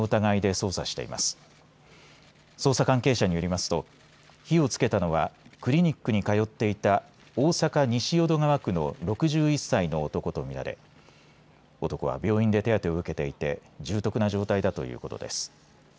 捜査関係者によりますと火をつけたのはクリニックに通っていた大阪・西淀川区の６１歳の男とみられ男は病院で手当てを受けていて重篤な状態だということです。